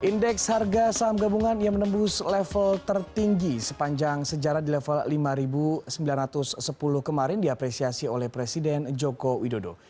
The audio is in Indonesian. indeks harga saham gabungan yang menembus level tertinggi sepanjang sejarah di level lima sembilan ratus sepuluh kemarin diapresiasi oleh presiden joko widodo